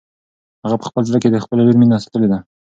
هغه په خپل زړه کې د خپلې لور مینه ساتلې ده.